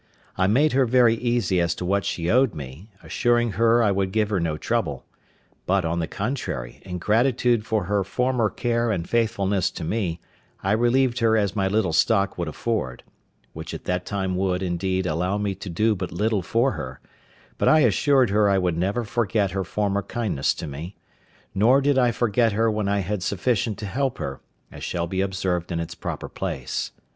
I made her very easy as to what she owed me, assuring her I would give her no trouble; but, on the contrary, in gratitude for her former care and faithfulness to me, I relieved her as my little stock would afford; which at that time would, indeed, allow me to do but little for her; but I assured her I would never forget her former kindness to me; nor did I forget her when I had sufficient to help her, as shall be observed in its proper place.